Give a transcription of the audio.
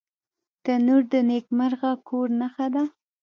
تنور د نیکمرغه کور نښه ده